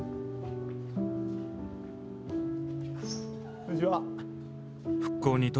こんにちは。